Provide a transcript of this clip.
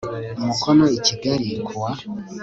umukono i Kigali ku wa